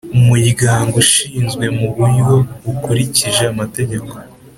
Umuryango ushinzwe mu buryo bukurikije amategeko